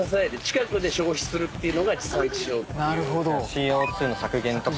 ＣＯ２の削減とか。